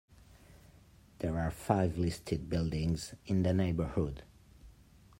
There are five listed buildings in the neighbourhood.